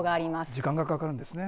時間がかかるんですね。